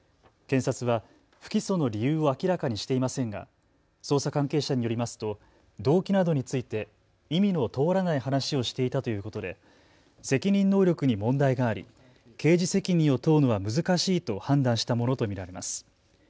検察は不起訴の理由を明らかにしていませんが捜査関係者によりますと動機などについて意味の通らない話をしていたということで責任能力に問題があり刑事責任を問うのは難しいと判断したものと見られます。